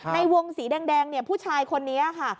ในวงศรีแดงผู้ชายคนนี้ค่ะ